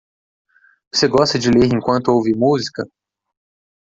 Você gosta de ler enquanto ouve música?